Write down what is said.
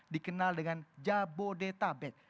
dikenal dengan jabodetabek